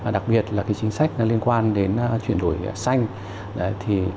đặc biệt là chính sách liên quan đến chuyển đổi xanh